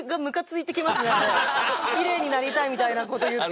きれいになりたいみたいな事言って。